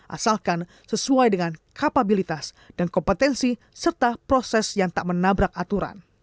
asalkan sesuai dengan kapabilitas dan kompetensi serta proses yang tak menabrak aturan